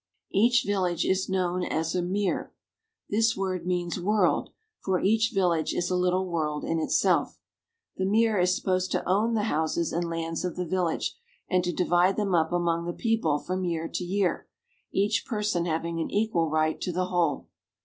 Each village is known as a mir. This word means "world," for each village is a little world in itself. The mir is supposed to own the houses and lands of the village, and to divide them up among the people from year to year, each person having an equal right to the whole.